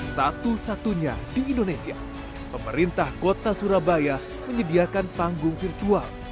satu satunya di indonesia pemerintah kota surabaya menyediakan panggung virtual